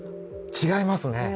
違いますね。